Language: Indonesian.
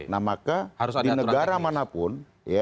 nah maka di negara manapun